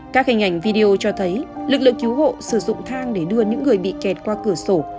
các hình ảnh video cho thấy lực lượng cứu hộ sử dụng thang để đưa những người bị kẹt qua cửa sổ